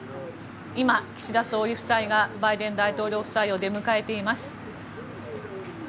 今、岸田総理夫妻がバイデン大統領夫妻を出迎えています。